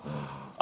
あ！